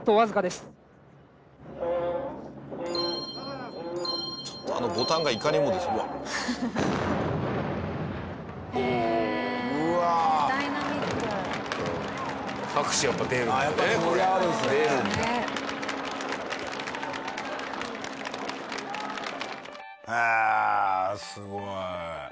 すごい。